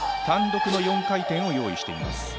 単独の４回転を用意しています。